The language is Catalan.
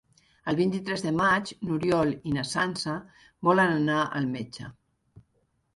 El vint-i-tres de maig n'Oriol i na Sança volen anar al metge.